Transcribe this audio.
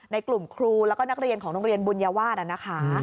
ในกลุ่มครูแล้วก็นักเรียนของโรงเรียนบุญวาสนะคะ